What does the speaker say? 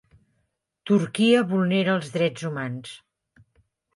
Turquia vulnera els drets humans